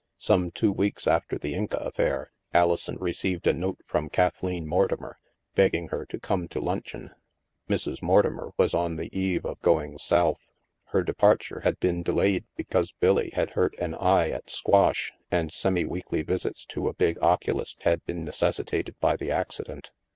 Some two weeks after the Inca affair, Alison re ceived a note from Kathleen Mortimer, begging her to come to luncheon. Mrs. Mortimer was on the eve of going South. Her departure had been de layed because " Billy " had hurt an eye at squash, and semiweekly visits to a big oculist had been necessitated by the accident.